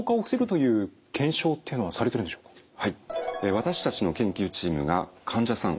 私たちの研究チームが患者さん